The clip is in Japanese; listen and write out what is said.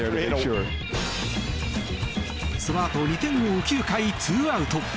その後、２点を追う９回ツーアウト。